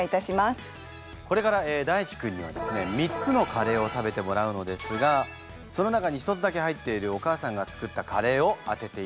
これから大馳くんにはですね３つのカレーを食べてもらうのですがその中に１つだけ入っているお母さんが作ったカレーを当てていただきます。